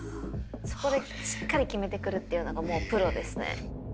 そこでしっかり決めてくるっていうのがもうプロですね。